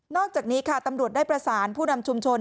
อกจากนี้ค่ะตำรวจได้ประสานผู้นำชุมชน